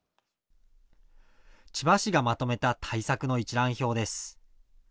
千葉市がまとめた対策の一覧表です。